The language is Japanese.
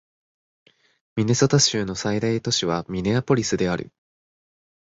ミネソタ州の最大都市はミネアポリスである